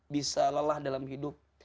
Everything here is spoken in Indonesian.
bisa lelah dalam hidup